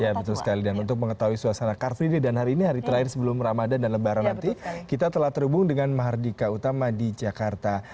ya betul sekali dan untuk mengetahui suasana car free day dan hari ini hari terakhir sebelum ramadan dan lebaran nanti kita telah terhubung dengan mahardika utama di jakarta